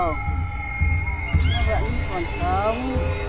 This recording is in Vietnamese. nó vẫn còn sống